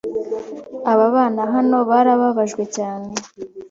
Aba bana hano barababaje cyane.